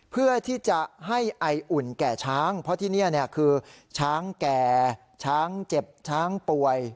เพื่อที่จะให้ไออุ่นแก่ช้างเพราะที่นี่คือช้างแก่ช้างเจ็บช้างป่วย